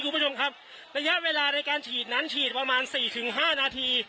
คุณผู้ชมครับระยะเวลาในการฉีดนั้นฉีดประมาณ๔๕นาที